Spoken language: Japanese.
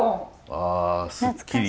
あすっきり。